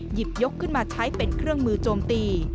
หยิบยกขึ้นมาใช้เป็นเครื่องมือโจมตี